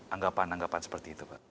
anggapan anggapan seperti itu pak